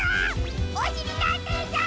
おしりたんていさん！